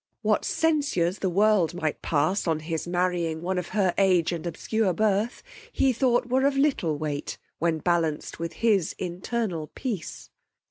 What censures the world might pass on his marrying one of her age and obscure birth, he thought were of little weight when balanced with his internal peace.